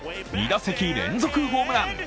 ２打席連続ホームラン。